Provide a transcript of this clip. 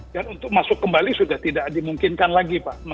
dan untuk masuk kembali sudah tidak dimungkinkan lagi pak